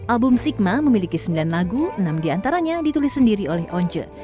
album sigma memiliki sembilan lagu enam di antaranya ditulis sendiri oleh onca